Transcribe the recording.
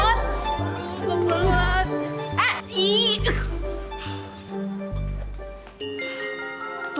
aduh panjang banget